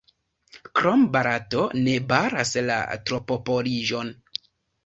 Krome Barato ne baras la tropopoliĝon.